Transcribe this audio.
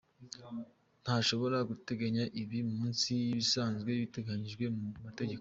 Ntashobora guteganya ibiri munsi y’ibisanzwe biteganyijwe mu mategeko.